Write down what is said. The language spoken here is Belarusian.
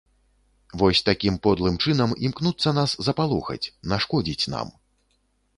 Вось такім подлым чынам імкнуцца нас запалохаць, нашкодзіць нам.